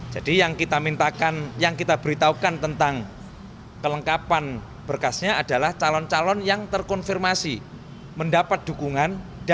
jadi yang kita beritahukan tentang kelengkapan berkasnya adalah calon calon yang terkonfirmasi mendapat dukungan dan yang bersangkutan adalah bersedia